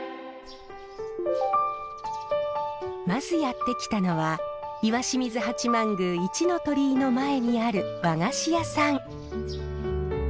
まずやって来たのは石清水八幡宮一ノ鳥居の前にある和菓子屋さん。